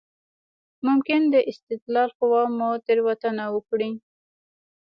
ممکن د استدلال قوه مو تېروتنه وکړي.